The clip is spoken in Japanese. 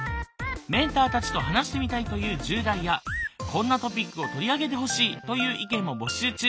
メンターたちと話してみたいという１０代やこんなトピックを取り上げてほしいという意見も募集中。